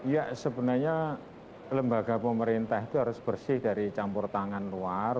ya sebenarnya lembaga pemerintah itu harus bersih dari campur tangan luar